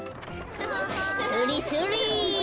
それそれ。